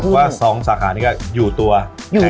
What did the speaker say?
สรุปว่า๒สาขานี้ก็อยู่ตัวแข็งแรง